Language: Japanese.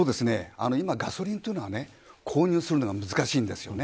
今、ガソリンは購入するのが難しいんですよね。